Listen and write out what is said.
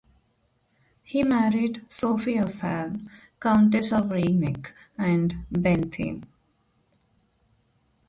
He married Sofie of Salm, Countess of Rheineck and Bentheim.